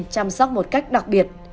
và các viên chăm sóc một cách đặc biệt